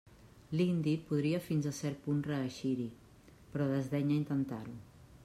L'indi podria fins a cert punt reeixir-hi, però desdenya intentar-ho.